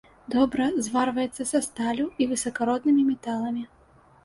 Добра зварваецца са сталлю і высакароднымі металамі.